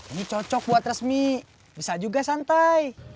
ini cocok buat resmi bisa juga santai